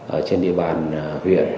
ở trên địa bàn huyện